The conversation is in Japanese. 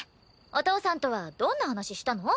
お父さんとはどんな話したの？